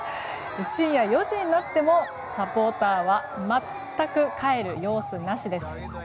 深夜４時になってもサポーターは全く、帰る様子なしです。